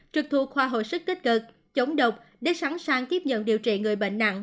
trực thu khoa hồi sức kích cực chống độc để sẵn sàng tiếp nhận điều trị người bệnh nặng